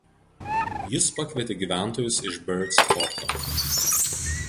Jis pakvietė gyventojus iš Birds forto.